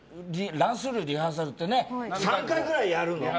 ランスルー、リハーサルって３回ぐらいやるの。